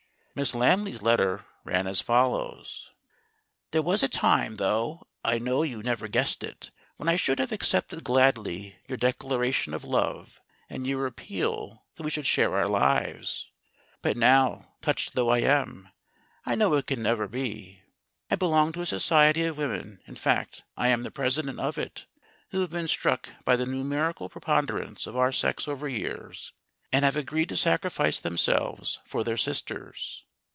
Miss Lamley's letter ran as follows : "There was a time, though I know you never guessed it, when I should have accepted gladly your declaration of love and your appeal that we should share our lives. But now, touched though I am, I know it can never be. I belong to a society of women in fact, I am the president of it who have been struck by the nu merical preponderance of our sex over yours, and have agreed to sacrifice themselves for their sisters.